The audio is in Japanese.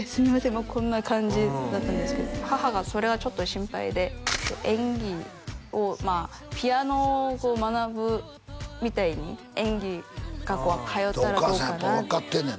もうこんな感じだったんですけど母がそれはちょっと心配で演技をまあピアノを学ぶみたいに演技学校通ったらお母さんやっぱ分かってんねん